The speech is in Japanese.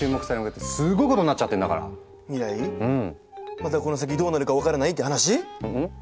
またこの先どうなるかうん。分からないって話？